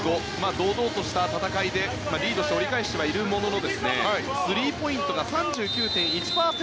堂々とした戦いでリードして折り返しているもののスリーポイントが３９．１％